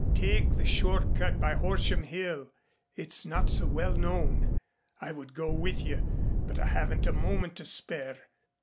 Take the short cut by Horsham Hill. It's not so well known. I would go with you but I haven't a moment to spare.